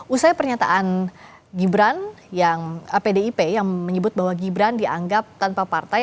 usai pernyataan gibran yang pdip yang menyebut bahwa gibran dianggap tanpa partai